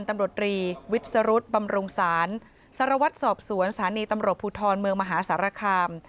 อาวุธบำรุงศาลสารวัตรศอบสวนศาลีตำรวจภูทรเมืองมหาสารคาม